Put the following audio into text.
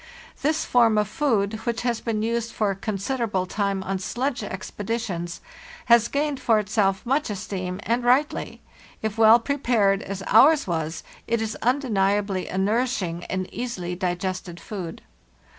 This form of food, which has been used for a considerable time on sledge expeditions, has gained for itself much esteem, and rightly; if well prepared, as ours was, it is undeniably a nourishing and easily digested food.